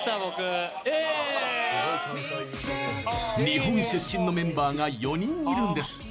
日本出身のメンバーが４人いるんです。